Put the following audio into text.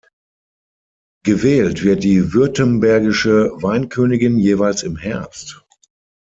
Gewählt wird die Württembergische Weinkönigin jeweils im Herbst.